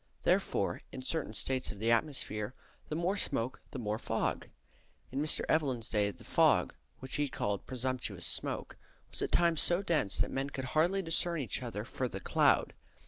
Therefore, in certain states of the atmosphere, the more smoke the more fog. In Mr. Evelyn's day the fog, which he called "presumptuous smoake," was at times so dense that men could hardly discern each other for the "clowd."